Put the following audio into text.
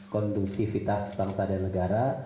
kondusifitas bangsa dan negara